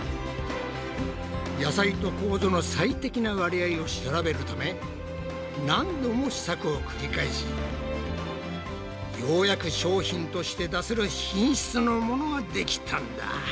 野菜とコウゾの最適な割合を調べるため何度も試作を繰り返しようやく商品として出せる品質のものができたんだ。